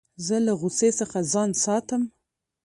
زه له غوسې څخه ځان ساتم.